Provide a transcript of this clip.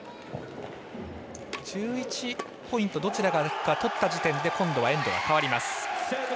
１１ポイントどちらかが取った時点で今度はエンドが替わります。